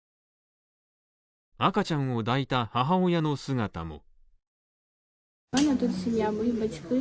赤ちゃんを抱いた母親の姿も。